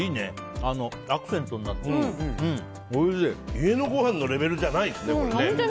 家のごはんのレベルじゃないですね。